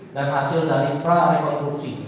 dan hasil dari prarekonstruksi